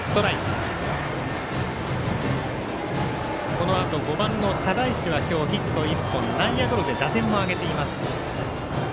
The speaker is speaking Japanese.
このあと５番の只石は今日、ヒット１本、内野ゴロで打点もあげています。